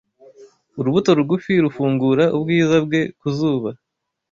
`Urubuto rugufi rufungura ubwiza bwe ku zuba,